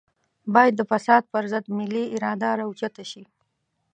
بايد د فساد پر ضد ملي اراده راوچته شي.